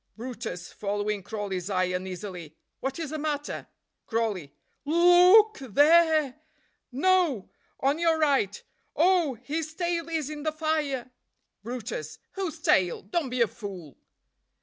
brutus (following Crawley's eye uneasily). "What is the matter?" Crawley. "Lo o o k th e r e! No! on your right. Oh, his tail is in the fire!" brutus. "Whose tail? don't be a fool!"